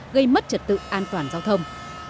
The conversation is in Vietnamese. gây mất trật tự an toàn giao thông